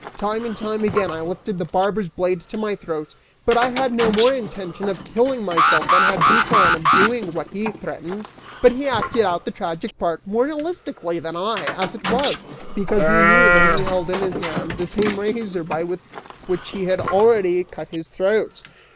Time and time again, I lifted the barber's blade to my throat, but I had no more intention of killing myself than had Giton of doing what he threatened, but he acted out the tragic part more realistically than I, as it was, because he knew that he held in his hand the same razor with which he had already cut his throat.